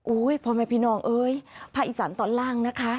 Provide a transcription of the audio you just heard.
โอ้ยพรหมายพี่น้องเอ้ยภาคอีสานตอนล่างนะคะ